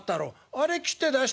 あれ切って出しておやり。